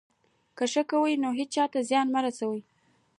که ښه کوئ، نو هېچا ته زیان مه رسوئ.